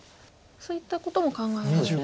そういったことも考えられるんですね。